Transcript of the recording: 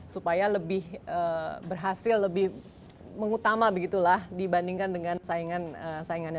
supaya lebih berhasil lebih mengutama begitulah dibandingkan dengan saingannya